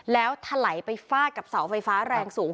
แล้วถลายไปฟาดกับเสาไฟฟ้าแรงสูง